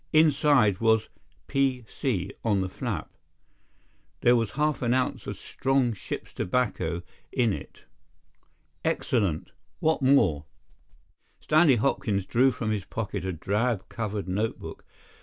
Inside was 'P.C.' on the flap. There was half an ounce of strong ship's tobacco in it." "Excellent! What more?" Stanley Hopkins drew from his pocket a drab covered notebook.